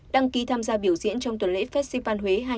đăng ký tham gia biểu diễn trong tuần lễ festival huế hai nghìn hai mươi bốn